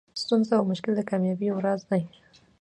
ستونزه او مشکل د کامیابۍ یو راز دئ.